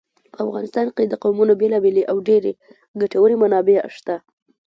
په افغانستان کې د قومونه بېلابېلې او ډېرې ګټورې منابع شته.